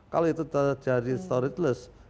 kalau itu terjadi storage list